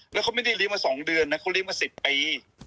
แล้วเขาไม่ได้เลี้ยงมา๒เดือนนะเขาเลี้ยงมา๑๐ปี